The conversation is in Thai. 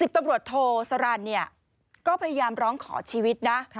ตำรวจโทสรรเนี่ยก็พยายามร้องขอชีวิตนะ